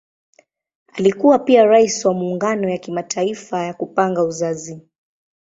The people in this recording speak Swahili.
Alikuwa pia Rais wa Muungano ya Kimataifa ya Kupanga Uzazi.